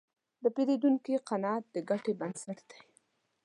د پیرودونکي قناعت د ګټې بنسټ دی.